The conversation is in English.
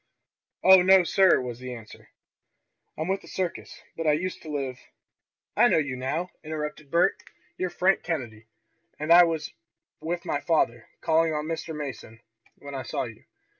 "Oh, no, sir," was the answer. "I'm with the circus. But I used to live " "I know you now!" interrupted Bert. "You're Frank Kennedy, and I was with my father, calling on Mr. Mason, when I saw you.